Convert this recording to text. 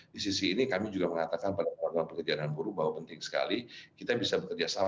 di sisi ini kami juga mengatakan pada pekerjaan dan buruh bahwa penting sekali kita bisa bekerja sama